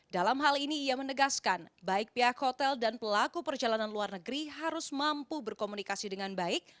dalam hal ini ia menegaskan baik pihak hotel dan pelaku perjalanan luar negeri harus mampu berkomunikasi dengan baik